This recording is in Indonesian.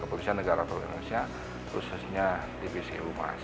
keputusan negara polri indonesia khususnya divisi humas